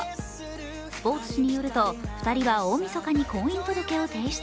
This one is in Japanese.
スポーツ紙によると、２人は大みそかに婚姻届を提出。